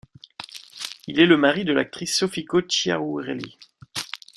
Il est le mari de l'actrice Sofiko Tchiaoureli.